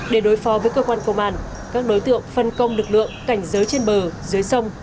để đối phó với cơ quan công an các đối tượng phân công lực lượng cảnh giới trên bờ dưới sông